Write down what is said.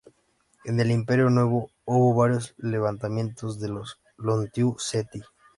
En el Imperio Nuevo hubo varios levantamientos de los Iuntiu-seti.